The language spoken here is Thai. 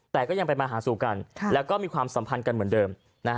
แต่ก็ยังไปมาหาสู่กันแล้วก็มีความสัมพันธ์กันเหมือนเดิม